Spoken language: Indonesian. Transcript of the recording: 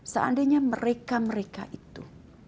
seandainya mereka mereka itu